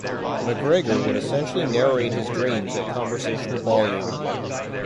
McGregor would essentially narrate his dreams at conversational volume.